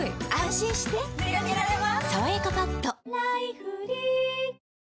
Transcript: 心してでかけられます